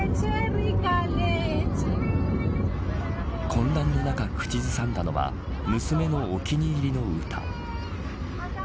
混乱の中、口ずさんだのは娘のお気に入りの歌。